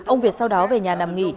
ông việt sau đó về nhà nằm nghỉ